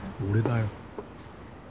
俺だよ。